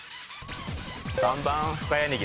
３番深谷ねぎ